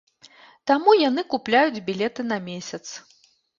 Таму яны купляюць білеты на месяц.